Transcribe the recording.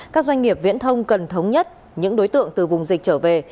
các doanh nghiệp viễn thông cần thống nhất những đối tượng từ vùng dịch trở về